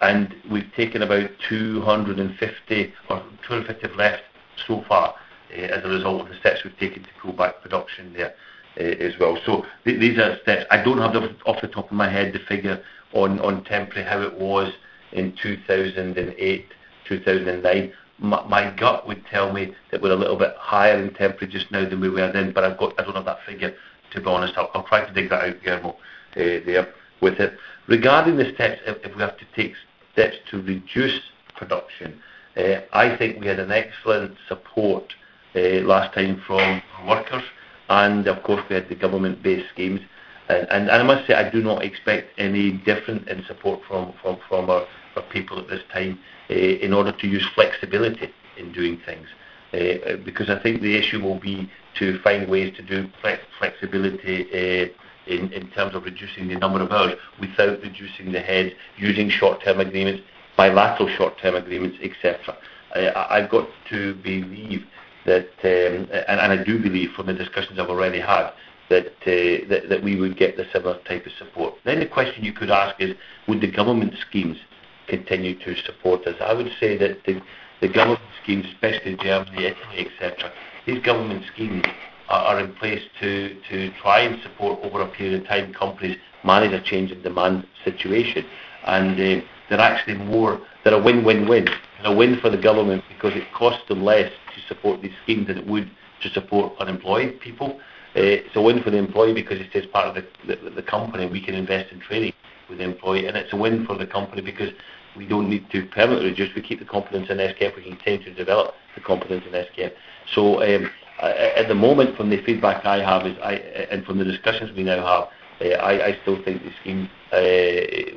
And we've taken about 250 or 250 have left so far, as a result of the steps we've taken to pull back production there, as well. So these are steps. I don't have, off the top of my head, the figure on temporaries, how it was in 2008, 2009. My gut would tell me that we're a little bit higher in temporary just now than we were then, but I've got... I don't have that figure, to be honest. I'll try to dig that out, Guillermo, there with it. Regarding the steps, if we have to take steps to reduce production, I think we had an excellent support last time from workers, and of course, we had the government-based schemes. I must say, I do not expect any different in support from our people at this time, in order to use flexibility in doing things. Because I think the issue will be to find ways to do flexibility in terms of reducing the number of hours without reducing the head, using short-term agreements, bilateral short-term agreements, et cetera. I've got to believe that, and I do believe from the discussions I've already had, that we would get the similar type of support. Then the question you could ask is, would the government schemes continue to support us? I would say that the government schemes, especially in Germany, et al, et cetera, these government schemes are in place to try and support over a period of time, companies manage a change in demand situation. And they're actually more... They're a win, win, win. A win for the government because it costs them less to support these schemes than it would to support unemployed people. It's a win for the employee because it's just part of the company, we can invest in training with the employee, and it's a win for the company because we don't need to permanently reduce. We keep the competence in SKF. We continue to develop the competence in SKF. So, at the moment, from the feedback I have, and from the discussions we now have, I still think the scheme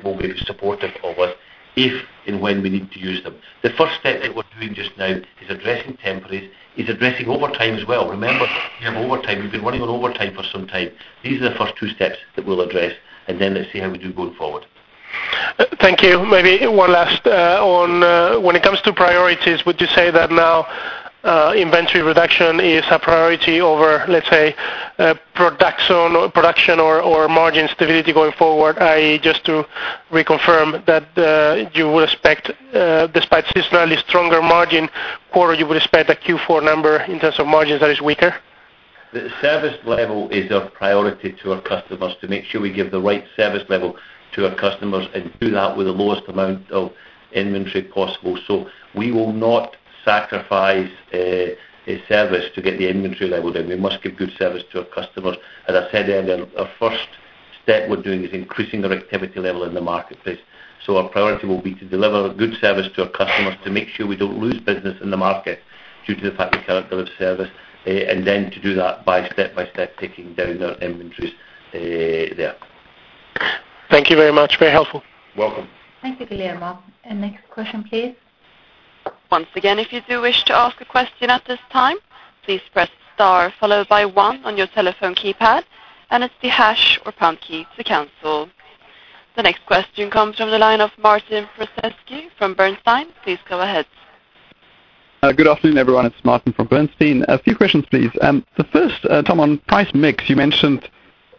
will be supportive of us if and when we need to use them. The first step that we're doing just now is addressing temporaries, is addressing overtime as well. Remember, we have overtime. We've been working on overtime for some time. These are the first two steps that we'll address, and then let's see how we do going forward. Thank you. Maybe one last on when it comes to priorities, would you say that now inventory reduction is a priority over, let's say, production or margin stability going forward? Just to reconfirm that, you would expect, despite seasonally stronger margin, or you would expect a Q4 number in terms of margins that is weaker? The service level is our priority to our customers, to make sure we give the right service level to our customers and do that with the lowest amount of inventory possible. So we will not sacrifice a service to get the inventory level down. We must give good service to our customers. As I said earlier, our first step we're doing is increasing our activity level in the marketplace. So our priority will be to deliver good service to our customers, to make sure we don't lose business in the market due to the fact we can't deliver service, and then to do that by step by step, taking down our inventories, there. Thank you very much. Very helpful. Welcome. Thank you, Guillermo. Next question, please. Once again, if you do wish to ask a question at this time, please press star, followed by one on your telephone keypad, and it's the hash or pound key to cancel. The next question comes from the line of Martin Prozesky from Bernstein. Please go ahead. Good afternoon, everyone. It's Martin from Bernstein. A few questions, please. The first, Tom, on price mix, you mentioned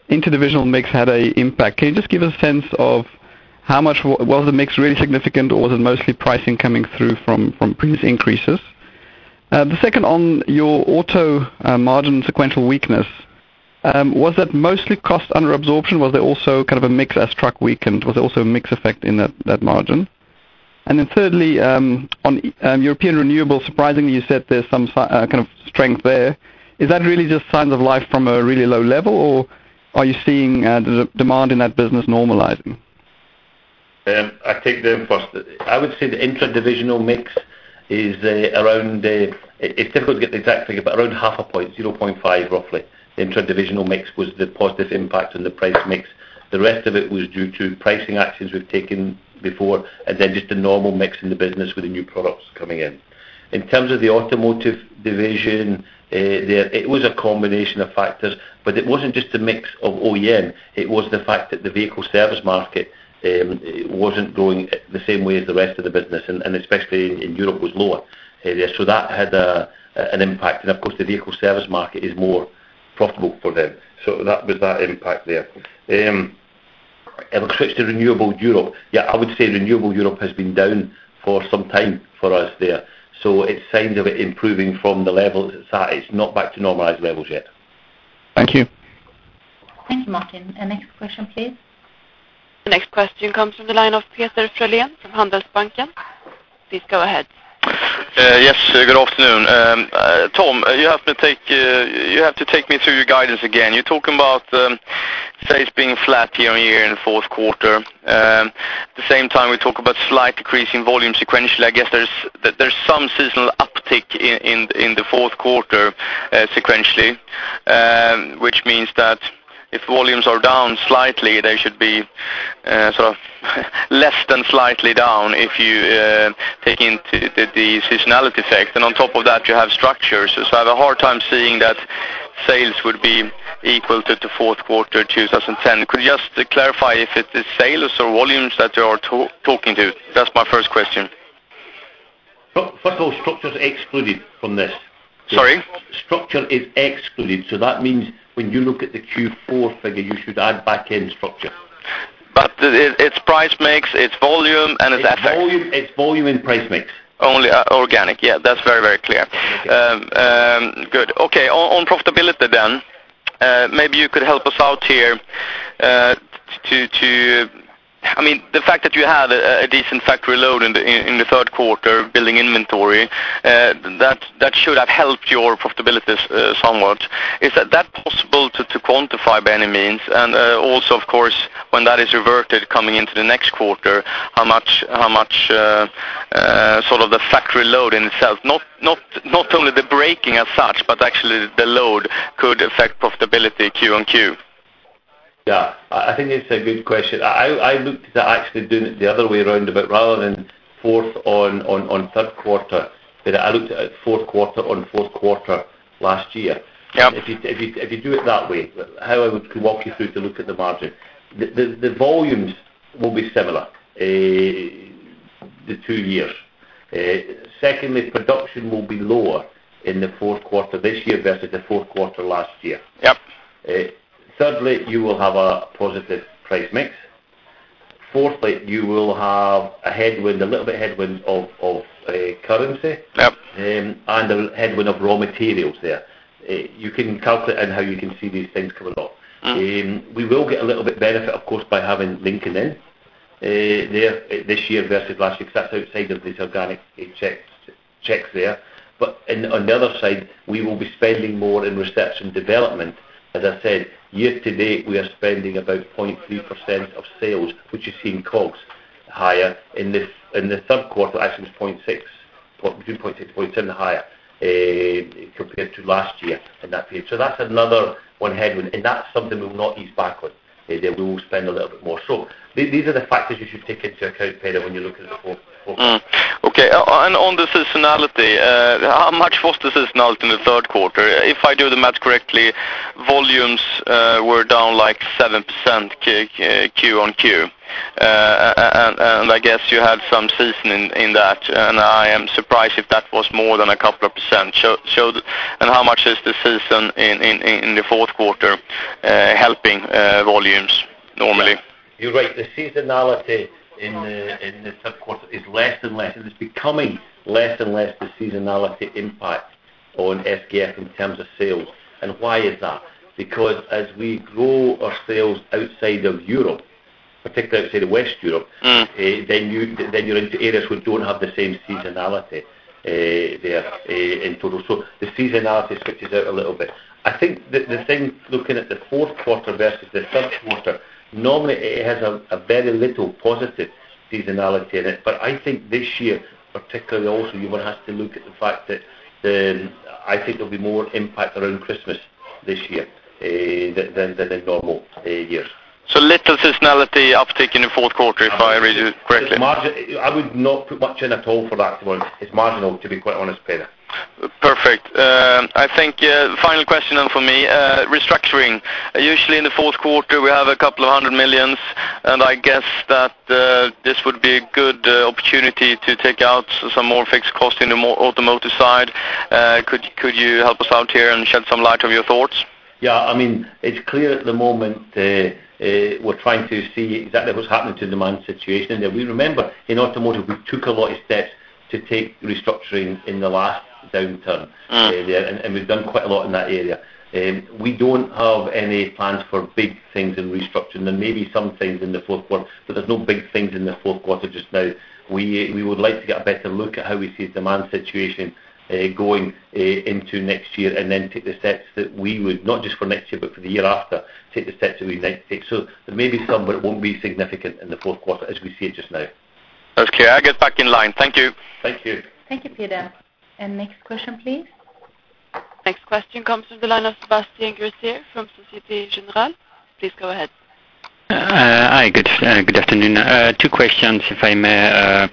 interdivisional mix had a impact. Can you just give a sense of how much? Was the mix really significant, or was it mostly pricing coming through from previous increases? The second, on your auto margin sequential weakness, was that mostly cost under absorption? Was there also kind of a mix as truck weakened? Was there also a mix effect in that margin? And then thirdly, on European renewables, surprisingly, you said there's some kind of strength there. Is that really just signs of life from a really low level, or are you seeing the demand in that business normalizing? I take them first. I would say the interdivisional mix is around, it's difficult to get the exact figure, but around 0.5 point, 0.5, roughly. Interdivisional mix was the positive impact on the price mix. The rest of it was due to pricing actions we've taken before, and then just the normal mix in the business with the new products coming in. In terms of the Automotive Division, there, it was a combination of factors, but it wasn't just a mix of OEM, it was the fact that the vehicle service market wasn't growing the same way as the rest of the business, and especially in Europe, was lower. Yeah, so that had an impact, and of course, the vehicle service market is more profitable for them. So that was that impact there. And we switch to renewable Europe. Yeah, I would say renewable Europe has been down for some time for us there. So, signs of it improving from the level that it's at. It's not back to normalized levels yet. Thank you. Thank you, Martin. The next question, please. The next question comes from the line of Peder Frölén from Handelsbanken. Please go ahead. Yes, good afternoon. Tom, you have to take me through your guidance again. You're talking about sales being flat year-on-year in the fourth quarter. At the same time, we talk about slight decrease in volume sequentially. I guess there's some seasonal uptick in the fourth quarter sequentially, which means that if volumes are down slightly, they should be sort of less than slightly down if you take into the seasonality effect, and on top of that, you have structures. So I have a hard time seeing that sales would be equal to the fourth quarter, 2010. Could you just clarify if it is sales or volumes that you are talking to? That's my first question. First of all, structure is excluded from this. Sorry? Structure is excluded, so that means when you look at the Q4 figure, you should add back in structure. But it's price mix, it's volume, and it's FX. It's volume, it's volume and price mix. Only organic. Yeah, that's very, very clear. Okay. Good. Okay, on profitability then, maybe you could help us out here, to... I mean, the fact that you had a decent factory load in the third quarter, building inventory, that should have helped your profitability somewhat. Is that possible to quantify by any means? And also, of course, when that is reverted coming into the next quarter, how much sort of the factory load in itself, not only the breaking as such, but actually the load could affect profitability Q on Q. Yeah. I think it's a good question. I looked at actually doing it the other way around, but rather than fourth on third quarter, that I looked at fourth quarter on fourth quarter last year. Yeah. If you do it that way, how I would walk you through to look at the margin. The volumes will be similar the two years. Secondly, production will be lower in the fourth quarter this year versus the fourth quarter last year. Yep. Thirdly, you will have a positive price mix. Fourthly, you will have a headwind, a little bit headwind of currency- Yep. and a headwind of raw materials there. You can calculate and how you can see these things come along. Mm. We will get a little bit benefit, of course, by having Lincoln in there this year versus last year, because that's outside of these organic checks there. But on the other side, we will be spending more in research and development. As I said, year to date, we are spending about 0.3% of sales, which is seeing COGS higher. In the third quarter, actually, it was 0.6%-1.0% higher compared to last year in that page. So that's another headwind, and that's something we'll not ease back on, we will spend a little bit more. So these are the factors you should take into account, Peder, when you look at the fourth quarter. Okay. And on the seasonality, how much was the seasonality in the third quarter? If I do the math correctly, volumes were down, like, 7% Q on Q. And I guess you had some seasonality in that, and I am surprised if that was more than a couple of percent. So... And how much is the seasonality in the fourth quarter helping volumes normally? You're right. The seasonality in the third quarter is less and less. It is becoming less and less the seasonality impact on SKF in terms of sales. And why is that? Because as we grow our sales outside of Europe, particularly outside of West Europe- Mm... then you, then you're into areas which don't have the same seasonality, there, in total. So the seasonality switches out a little bit. I think the thing, looking at the fourth quarter versus the third quarter, normally, it has a very little positive seasonality in it. But I think this year, particularly also, you gonna have to look at the fact that the, I think there'll be more impact around Christmas this year, than the normal, years. So little seasonality uptick in the fourth quarter, if I read you correctly? I would not put much in at all for that one. It's marginal, to be quite honest, Peder. Perfect. I think final question then for me, restructuring. Usually, in the fourth quarter, we have 200 million, and I guess that this would be a good opportunity to take out some more fixed cost in the automotive side. Could you help us out here and shed some light on your thoughts? Yeah, I mean, it's clear at the moment, we're trying to see exactly what's happening to demand situation in there. We remember in automotive, we took a lot of steps to take restructuring in the last downturn- Mm... and we've done quite a lot in that area. We don't have any plans for big things in restructuring. There may be some things in the fourth quarter, but there's no big things in the fourth quarter just now. We, we would like to get a better look at how we see the demand situation, going into next year, and then take the steps that we would, not just for next year, but for the year after, take the steps that we need to take. So there may be some, but it won't be significant in the fourth quarter, as we see it just now. Okay, I'll get back in line. Thank you. Thank you. Thank you, Peder. Next question, please. Next question comes from the line of Sebastian Growe from Société Générale. Please go ahead. Hi, good afternoon. Two questions, if I may.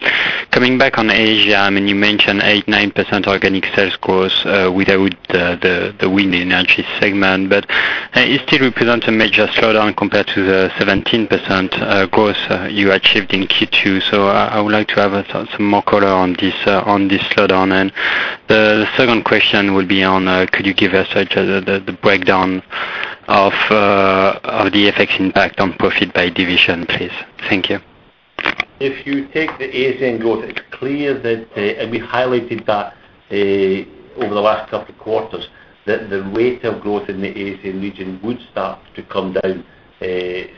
Coming back on Asia, I mean, you mentioned 8-9% organic sales growth without the wind energy segment, but it still represents a major slowdown compared to the 17% growth you achieved in Q2. So I would like to have some more color on this slowdown. The second question would be, could you give us the breakdown of the FX impact on profit by division, please? Thank you. If you take the Asian growth, it's clear that, and we highlighted that, over the last couple of quarters, that the rate of growth in the Asian region would start to come down,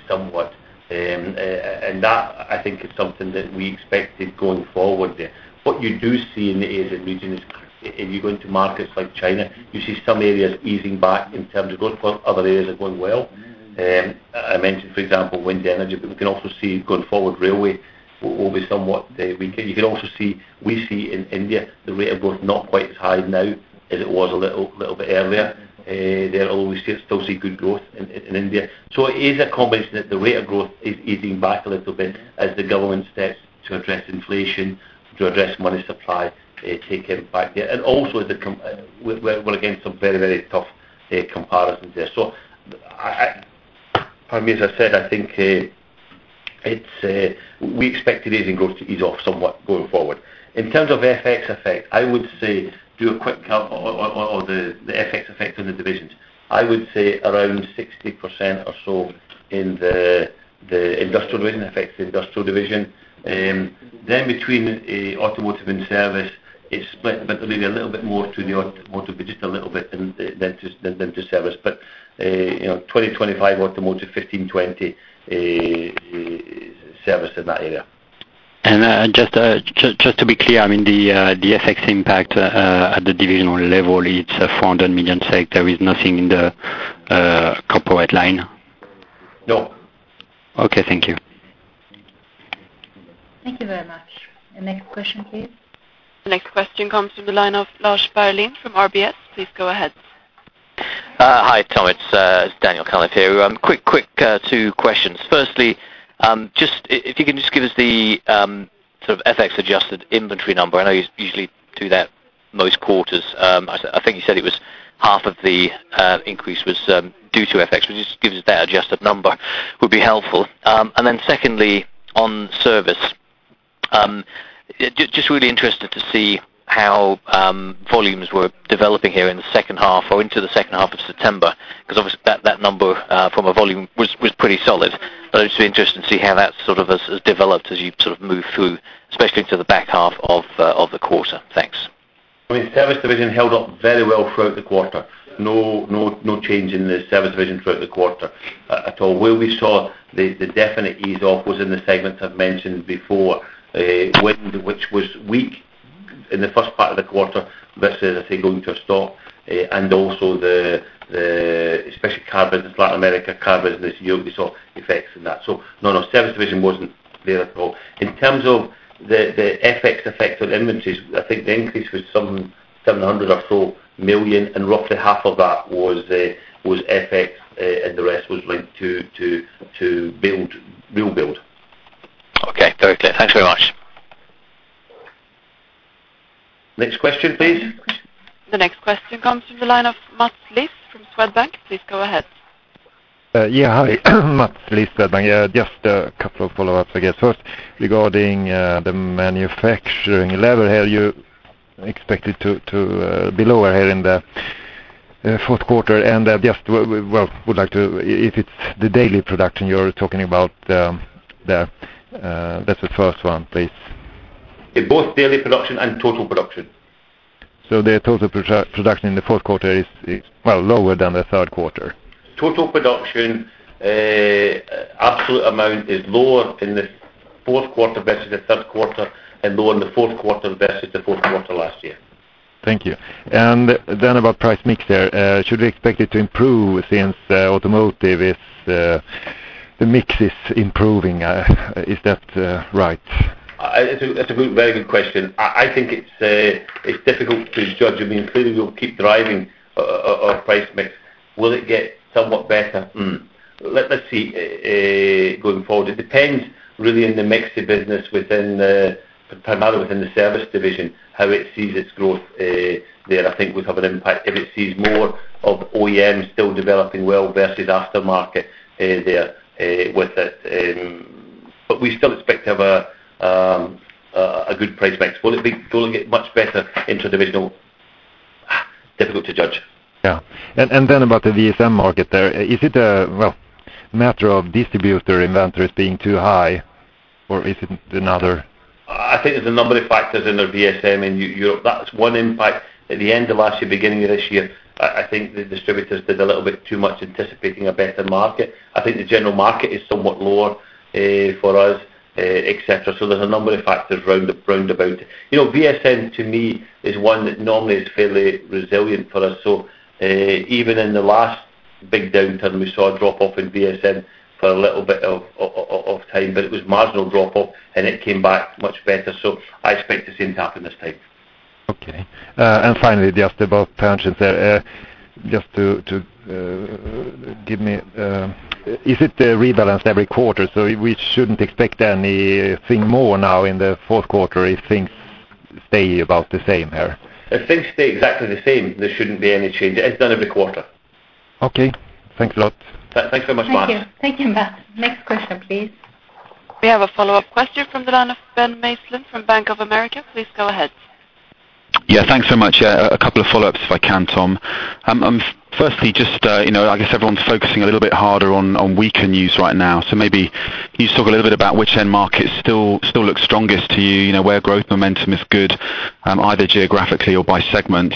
somewhat. And that, I think, is something that we expected going forward there. What you do see in the Asian region is, if you go into markets like China, you see some areas easing back in terms of growth, while other areas are going well. I mentioned, for example, wind energy, but we can also see going forward, railway will be somewhat weak. You can also see we see in India, the rate of growth not quite as high now as it was a little bit earlier. There although we still see good growth in India. So it is a combination that the rate of growth is easing back a little bit as the government steps to address inflation, to address money supply, taken back there. And also, we're, we're against some very, very tough, comparisons there. So I, I, for me, as I said, I think, it's, we expect the Asian growth to ease off somewhat going forward. In terms of FX effect, I would say, do a quick count of, of, of the FX effect on the divisions. I would say around 60% or so in the, the Industrial Division, affects the Industrial Division. Then between, automotive and service, it's split, but maybe a little bit more to the automotive, but just a little bit than, than to service. But, you know, 20-25 automotive, 15-20 service in that area. Just to be clear, I mean, the FX impact at the divisional level, it's 400 million, there is nothing in the corporate line? No. Okay, thank you. Thank you very much. The next question, please. The next question comes from the line of Lars Barrlin from RBS. Please go ahead. Hi, Thomas, it's Daniel Sheridan here. Quick, quick, two questions. Firstly, just if you can just give us the sort of FX-adjusted inventory number. I know you usually do that most quarters. I think you said it was half of the increase was due to FX, which just gives us that adjusted number, would be helpful. And then secondly, on service, just really interested to see how volumes were developing here in the second half or into the second half of September, because obviously, that number from a volume was pretty solid. But it's interesting to see how that sort of has developed as you sort of move through, especially to the back half of the quarter. Thanks. I mean, Service Division held up very well throughout the quarter. No, no, no change in the Service Division throughout the quarter at all. Where we saw the definite ease off was in the segments I've mentioned before, wind, which was weak in the first part of the quarter, versus, I say, going to a stop, and also the especially car business, Latin America, car business, Europe, we saw effects in that. So no, no, Service Division wasn't there at all. In terms of the FX effect on inventories, I think the increase was some 700 million or so, and roughly half of that was FX, and the rest was linked to build, real build. Okay, very clear. Thanks very much. Next question, please. The next question comes from the line of Mats Liss from Swedbank. Please go ahead. Yeah, hi. Mats Liss, Swedbank. Yeah, just a couple of follow-ups, I guess. First, regarding the manufacturing level, have you expected to be lower here in the fourth quarter? And just, well, would like to... If it's the daily production you're talking about, there. That's the first one, please. In both daily production and total production. So the total production in the fourth quarter is, well, lower than the third quarter? Total production, absolute amount is lower in the fourth quarter versus the third quarter, and lower in the fourth quarter versus the fourth quarter last year. Thank you. And then about price mix there, should we expect it to improve since automotive is the mix is improving? Is that right? It's a very good question. I think it's difficult to judge. I mean, clearly, we'll keep driving on price mix. Will it get somewhat better? Let's see, going forward. It depends really on the mix of business within the, primarily within the Service Division, how it sees its growth there. I think would have an impact if it sees more of OEMs still developing well versus aftermarket there with it. But we still expect to have a good price mix. Will it be going to get much better interdivisional? Difficult to judge. Yeah. And then about the VSM market there, is it a, well, matter of distributor inventories being too high, or is it another? I think there's a number of factors in the VSM in Europe. That's one impact. At the end of last year, beginning of this year, I think the distributors did a little bit too much anticipating a better market. I think the general market is somewhat lower, for us, et cetera. So there's a number of factors round, roundabout. You know, VSM, to me, is one that normally is fairly resilient for us. So, even in the last big downturn, we saw a drop-off in VSM for a little bit of time, but it was marginal drop-off, and it came back much better. So I expect the same to happen this time. Okay. And finally, just about pensions there. Just to give me... Is it rebalanced every quarter? So we shouldn't expect anything more now in the fourth quarter if things stay about the same here? If things stay exactly the same, there shouldn't be any change. It's done every quarter. Okay. Thanks a lot. Thanks so much, Mats. Thank you. Thank you, Mats. Next question, please.... We have a follow-up question from the line of Ben Uglow from Bank of America. Please go ahead. Yeah, thanks so much. A couple of follow-ups, if I can, Tom. I'm firstly, just, you know, I guess everyone's focusing a little bit harder on weaker news right now. So maybe can you talk a little bit about which end markets still look strongest to you, you know, where growth momentum is good, either geographically or by segment?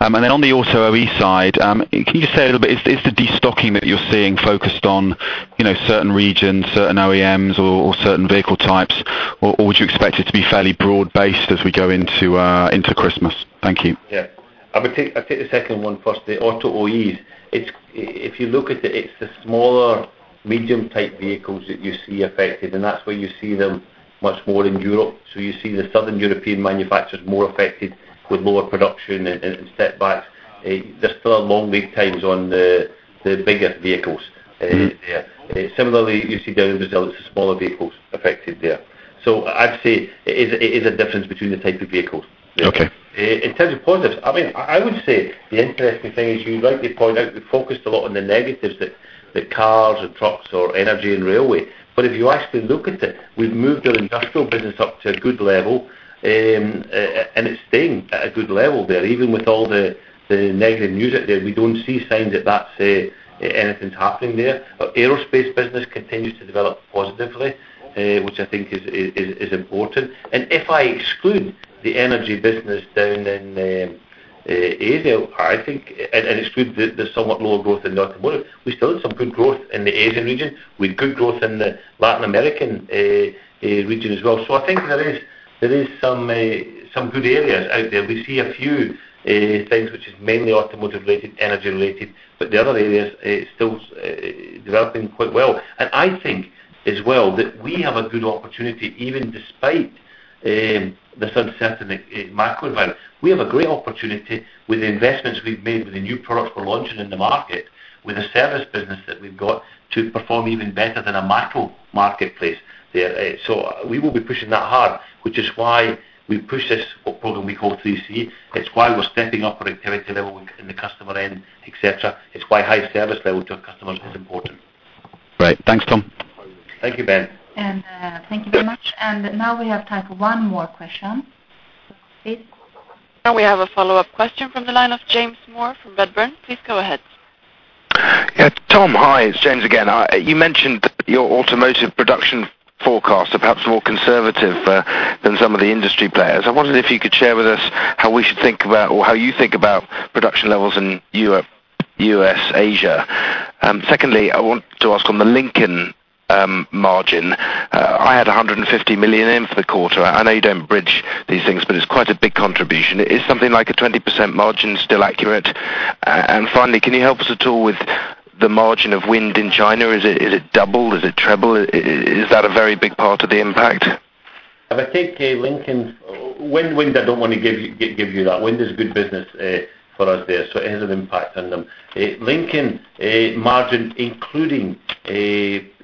And then on the Auto OE side, can you just say a little bit, is the destocking that you're seeing focused on, you know, certain regions, certain OEMs, or certain vehicle types, or would you expect it to be fairly broad-based as we go into Christmas? Thank you. Yeah. I'll take the second one first, the Auto OEs. It's, if you look at it, it's the smaller, medium-type vehicles that you see affected, and that's where you see them much more in Europe. So you see the Southern European manufacturers more affected with lower production and setbacks. There's still long lead times on the bigger vehicles, yeah. Mm-hmm. Similarly, you see down in Brazil, it's the smaller vehicles affected there. So I'd say it is, it is a difference between the type of vehicles. Okay. In terms of positives, I mean, I would say the interesting thing is, you rightly point out, we focused a lot on the negatives, that cars or trucks or energy and railway. But if you actually look at it, we've moved our industrial business up to a good level, and it's staying at a good level there. Even with all the negative news out there, we don't see signs that that's anything's happening there. Our aerospace business continues to develop positively, which I think is important. And if I exclude the energy business down in Asia, I think... And exclude the somewhat lower growth in automotive, we still have some good growth in the Asian region, with good growth in the Latin American region as well. So I think there is some good areas out there. We see a few things which is mainly automotive-related, energy-related, but the other areas are still developing quite well. I think as well that we have a good opportunity, even despite this uncertain macro environment. We have a great opportunity with the investments we've made, with the new products we're launching in the market, with the service business that we've got to perform even better than a macro marketplace there. So we will be pushing that hard, which is why we push this program we call 3C. It's why we're stepping up our activity level in the customer end, et cetera. It's why high service level to our customers is important. Right. Thanks, Tom. Thank you, Ben. And, thank you very much. And now we have time for one more question. Please. Now we have a follow-up question from the line of James Moore from Redburn. Please go ahead. Yeah, Tom. Hi, it's James again. You mentioned that your automotive production forecasts are perhaps more conservative than some of the industry players. I wondered if you could share with us how we should think about or how you think about production levels in Europe, U.S., Asia. Secondly, I want to ask on the Lincoln margin. I had 150 million in for the quarter. I know you don't bridge these things, but it's quite a big contribution. Is something like a 20% margin still accurate? And finally, can you help us at all with the margin of wind in China? Is it double? Is it treble? Is that a very big part of the impact? If I take Lincoln. Wind, I don't want to give you that. Wind is good business for us there, so it has an impact on them. Lincoln margin, including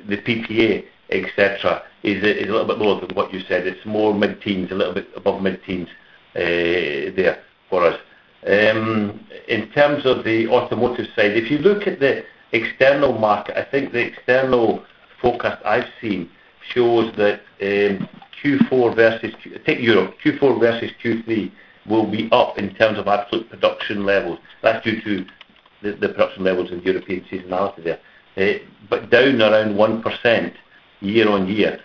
the PPA, et cetera, is a little bit more than what you said. It's more mid-teens, a little bit above mid-teens there for us. In terms of the automotive side, if you look at the external market, I think the external forecast I've seen shows that Q4 versus. Take Europe, Q4 versus Q3 will be up in terms of absolute production levels. That's due to the production levels in European seasonality there. But down around 1% year-on-year,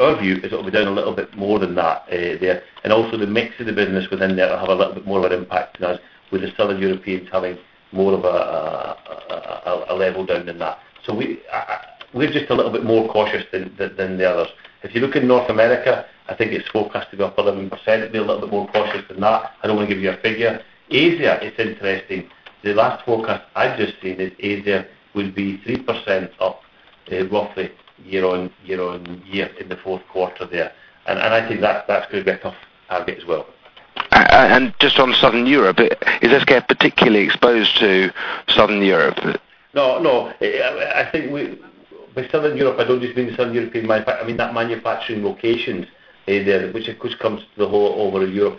our view is it'll be down a little bit more than that there. Also, the mix of the business within there will have a little bit more of an impact on us, with the Southern Europeans having more of a level down than that. So we're just a little bit more cautious than the others. If you look in North America, I think it's forecasted to be up 11%, be a little bit more cautious than that. I don't want to give you a figure. Asia, it's interesting. The last forecast I just seen is Asia would be 3% up, roughly year-on-year in the fourth quarter there. And I think that's going to be a tough target as well. And just on Southern Europe, is SKF particularly exposed to Southern Europe? No, no. I think by Southern Europe, I don't just mean the Southern European market. I mean, that manufacturing locations are there, which, of course, comes to the whole over Europe.